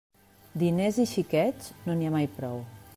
Diners i xiquets, no n'hi ha mai prou.